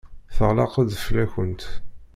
Teɣleq-d fell-akent.